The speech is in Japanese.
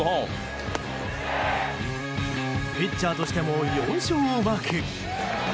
ピッチャーとしても４勝をマーク。